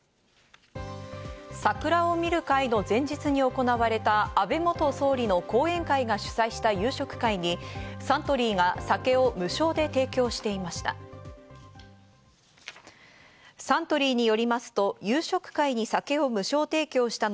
「桜を見る会」の前日に行われた、安倍元総理の後援会が主催した夕食会にサントリーが酒を無償で提供していました。